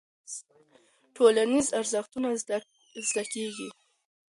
ټولنيز ارزښتونه زده کيږي.